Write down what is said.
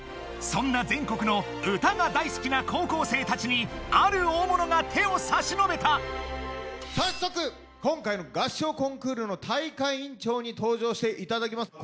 そんな全国の歌が大好きな高校生たちにある大物が手を差し伸べた早速今回の合唱コンクールの大会委員長に登場していただきます